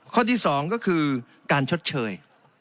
ข้อที่๒ก็คือการชดเชย